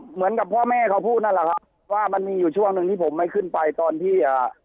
เหมือนกับพ่อแม่เขาพูดนั่นแหละครับว่ามันมีอยู่ช่วงหนึ่งที่ผมไม่ขึ้นไปตอนที่อ่า